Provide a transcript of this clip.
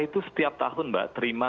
itu setiap tahun mbak terima